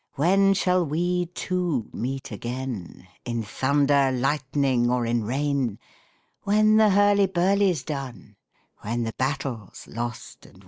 "When shall we 'two' meet again In thunder, lightning, or in rain?" "When the hurly burly's done, When the battle's lost and won."